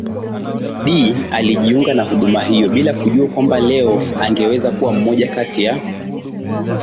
Dee alijiunga na huduma hiyo bila kujua kwamba leo angeweza kuwa mmoja kati ya